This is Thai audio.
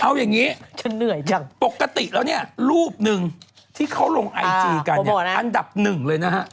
เอาอย่างนี้ปกติแล้วเนี่ยรูปหนึ่งที่เขาลงไอจีกันเนี่ยอันดับหนึ่งเลยนะฮะ